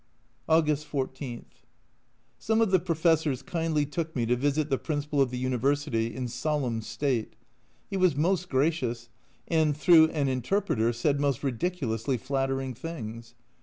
August 14. Some of the Professors kindly took me to visit the Principal of the University in solemn state ; he was most gracious, and (through an in terpreter) said most ridiculously flattering things.